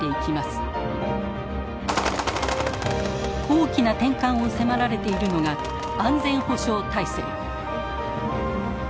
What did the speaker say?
大きな転換を迫られているのが安全保障体制。